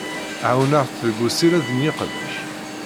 Ɛawneɣ-tt deg usired n yiqbac.